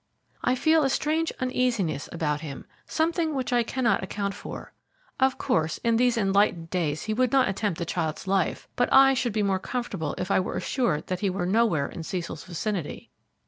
"I feel a strange uneasiness about him; something which I cannot account for. Of course, in these enlightened days he would not attempt the child's life, but I should be more comfortable if I were assured that he were nowhere in Cecil's vicinity."